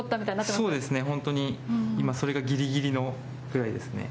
そうですね、本当に、今、それがぎりぎりぐらいですね。